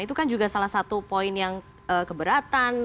itu kan juga salah satu poin yang keberatan